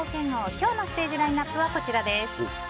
今日のステージラインアップはこちらです。